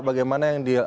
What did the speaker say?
bagaimana yang di